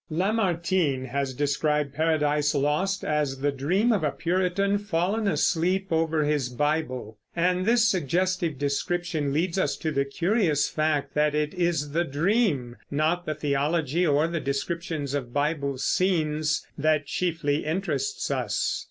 Lamartine has described Paradise Lost as the dream of a Puritan fallen asleep over his Bible, and this suggestive description leads us to the curious fact that it is the dream, not the theology or the descriptions of Bible scenes, that chiefly interests us.